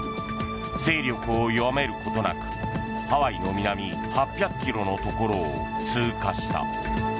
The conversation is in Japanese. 勢力を弱めることなくハワイの南８００ｋｍのところを通過した。